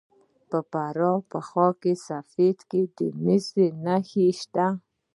د فراه په خاک سفید کې د مسو نښې شته.